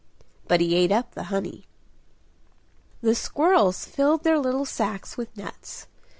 But he ate up the honey! The squirrels filled their little sacks with nuts.